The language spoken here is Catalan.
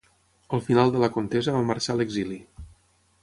Al final de la contesa va marxar a l'exili.